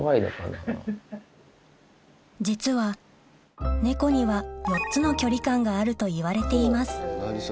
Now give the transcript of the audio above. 実は猫には４つの距離感があるといわれています